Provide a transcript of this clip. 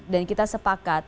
dan kita sepakat